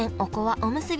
おむすび